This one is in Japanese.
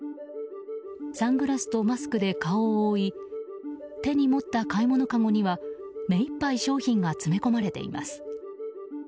サングラスとマスクで顔を覆い手に持った買い物かごには目いっぱい商品が詰め込まれています。